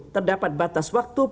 terdapat batas waktu